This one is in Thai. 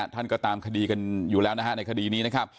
ท่านก็ตามคดีกันอยู่แล้วนะฮะในคดีนี้นะครับ